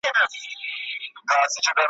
که زور په بازو نه لري زر په ترازو نه لري ,